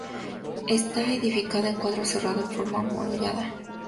Está edificada en cuadro cerrado, en forma amurallada.